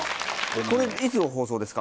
これ、いつ放送ですか？